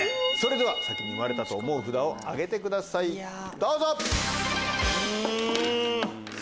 先に生まれたと思う札を挙げてくださいどうぞ！